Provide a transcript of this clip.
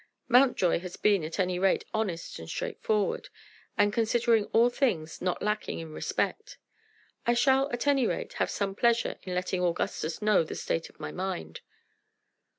Mountjoy has been, at any rate, honest and straightforward; and, considering all things, not lacking in respect. I shall, at any rate, have some pleasure in letting Augustus know the state of my mind."